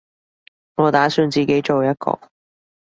我打算自己做一個